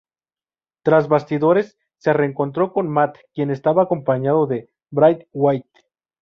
Tras bastidores, se reencontró con Matt quien estaba acompañado de Bray Wyatt.